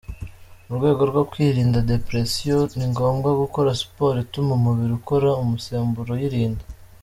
Mu rwego rwo kwirinda depression, ni ngombwa gukora Siporo ituma umubiri ukora umusemburo uyirinda.